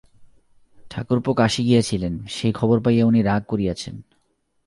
ঠাকুরপো কাশী গিয়াছিলেন, সেই খবর পাইয়া উনি রাগ করিয়াছেন।